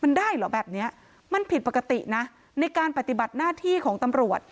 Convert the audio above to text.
มันได้เหรอแบบเนี้ยมันผิดปกตินะในการปฏิบัติหน้าที่ของตำรวจ